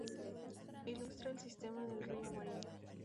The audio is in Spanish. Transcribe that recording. Ilustra el sistema del río Amarillo.